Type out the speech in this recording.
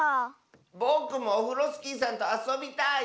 ぼくもオフロスキーさんとあそびたい！